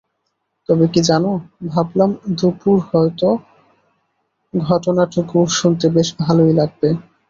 তবে কী জানো, ভাবলাম দুপোঁর হয়তো ঘটনাটুকু শুনতে বেশ ভালোই লাগবে।